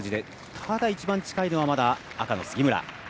ただ、一番近いのはまだ赤の杉村。